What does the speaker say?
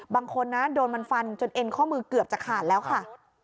บางคนนะโดนมันฟันจนเอ็นข้อมือเกือบจะขาดแล้วค่ะ